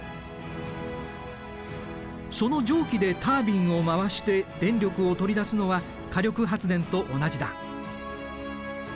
その蒸気でタービンを回して電力を取り出すのは火力発電と同じだ。